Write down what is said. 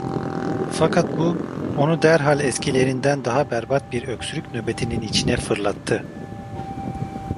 Fakat bu, onu derhal eskilerinden daha berbat bir öksürük nöbetinin içine fırlattı.